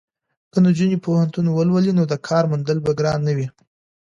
که نجونې پوهنتون ولولي نو د کار موندل به ګران نه وي.